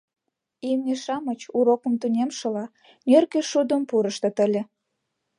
Имне-шамыч, урокым тунемшыла, нӧргӧ шудым пурыштыт ыле.